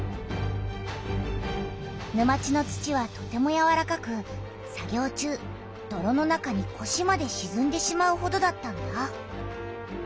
沼地の土はとてもやわらかく作業中どろの中にこしまでしずんでしまうほどだったんだ。